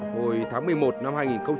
hồi tháng một mươi một năm hai nghìn một mươi ba